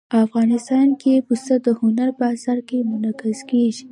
افغانستان کې پسه د هنر په اثار کې منعکس کېږي.